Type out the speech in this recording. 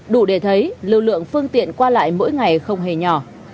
đủ để thấy lưu lượng phương tiện qua lại mỗi ngày không hề nhỏ